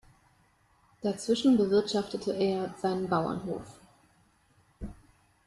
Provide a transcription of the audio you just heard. Dazwischen bewirtschaftete er seinen Bauernhof.